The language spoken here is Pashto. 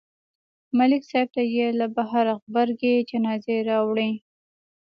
ملک صاحب ته یې له بهره غبرګې جنازې راوړلې